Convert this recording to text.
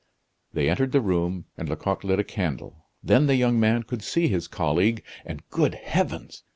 They entered the room, and Lecoq lit a candle. Then the young man could see his colleague, and, good heavens!